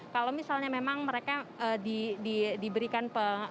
kalau misalnya memang mereka diberikan